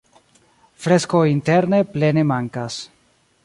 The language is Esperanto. Freskoj interne plene mankas.